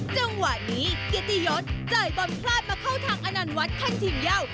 จังหวะนี้เกียรติยศเจอให้บอลพลาดมาเข้าทางอนานวัดขั้นทีมยาว